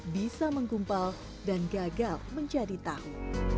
bisa menggumpal dan gagal menjadi tahu